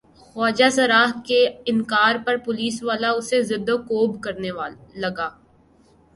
خواجہ سرا کے انکار پہ پولیس والا اسے زدوکوب کرنے لگا۔